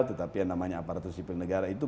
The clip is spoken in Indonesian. tetapi yang namanya aparatur sipil negara itu